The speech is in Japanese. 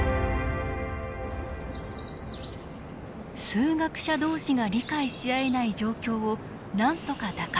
数学者同士が理解し合えない状況をなんとか打開できないか。